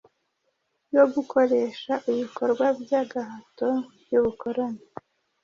yo gukoresha ibikorwa by'agahato by'ubukoloni